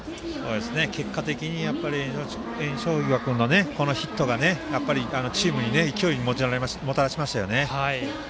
結果的に、焔硝岩君のこのヒットがチームに勢いをもたらしましたよね。